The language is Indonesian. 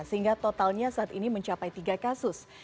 sehingga totalnya saat ini mencapai tiga kasus